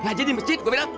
ngaji di masjid gua bilang